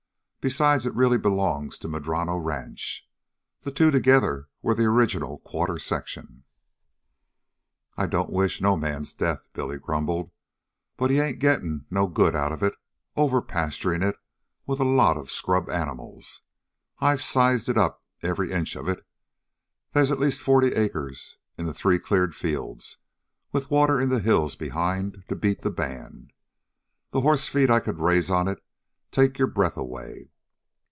Besides, it really belongs to Madrono Ranch. The two together were the original quarter section." "I don't wish no man's death," Billy grumbled. "But he ain't gettin' no good out of it, over pasturin' it with a lot of scrub animals. I've sized it up every inch of it. They's at least forty acres in the three cleared fields, with water in the hills behind to beat the band. The horse feed I could raise on it'd take your breath away.